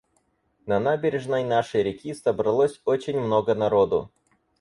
На набережной нашей реки собралось очень много народу.